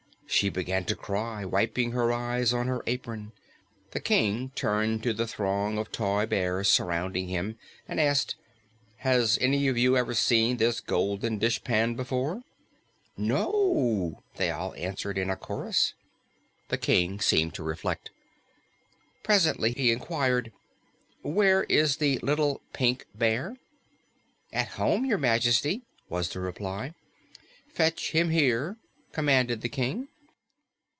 She began to cry, wiping her eyes on her apron. The King turned to the throng of toy bears surrounding him and asked, "Has any of you ever seen this golden dishpan before?" "No," they answered in a chorus. The King seemed to reflect. Presently he inquired, "Where is the Little Pink Bear?" "At home, Your Majesty," was the reply. "Fetch him here," commanded the King.